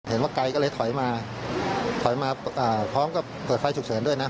เห็นว่าไกลก็เลยถอยมาถอยมาพร้อมกับเปิดไฟฉุกเฉินด้วยนะ